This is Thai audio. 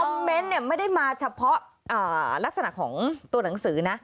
เมนต์เนี่ยไม่ได้มาเฉพาะลักษณะของตัวหนังสือนะ